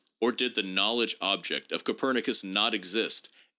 Or did the " knowledge object " of Copernicus not exist except No.